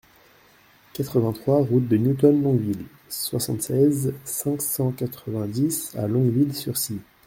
quatre-vingt-trois route de Newton Longville, soixante-seize, cinq cent quatre-vingt-dix à Longueville-sur-Scie